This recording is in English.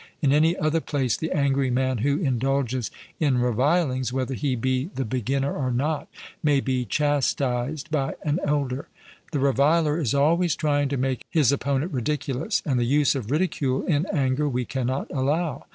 In any other place the angry man who indulges in revilings, whether he be the beginner or not, may be chastised by an elder. The reviler is always trying to make his opponent ridiculous; and the use of ridicule in anger we cannot allow.